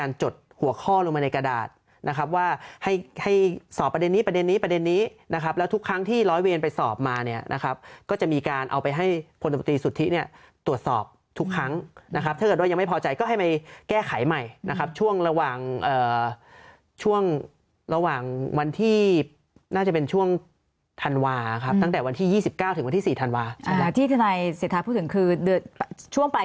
นะครับว่าให้สอบประเด็นนี้ประเด็นนี้ประเด็นนี้นะครับแล้วทุกครั้งที่ร้อยเวียนไปสอบมาเนี่ยนะครับก็จะมีการเอาไปให้ผลปฏิสุทธิเนี่ยตรวจสอบทุกครั้งนะครับถ้าเกิดว่ายังไม่พอใจก็ให้มันแก้ไขใหม่นะครับช่วงระหว่างช่วงระหว่างวันที่น่าจะเป็นช่วงธันวาคับตั้งแต่วันที่ยี่สิบเก้าถึงวันที่สี่